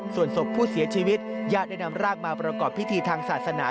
ส่วนศพผู้เสียชีวิตญาติได้นำร่างมาประกอบพิธีทางศาสนา